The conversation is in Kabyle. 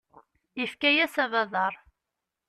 Yefka-yas abadaṛ.